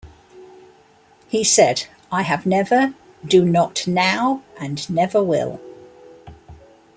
He said: I have never, do not now, and never will.